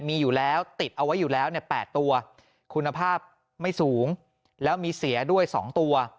มีอยู่แล้วติดเอาไว้อยู่แล้วเนี่ย๘ตัวคุณภาพไม่สูงแล้วมีเสียด้วย๒ตัว